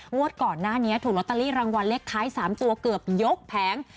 งวดก่อนหน้านี้ถูกลอตเตอรี่รางวัลเลขท้าย๓ตัวเกือบยกแผง